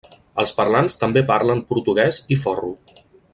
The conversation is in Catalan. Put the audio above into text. Els parlants també parlen portuguès i forro.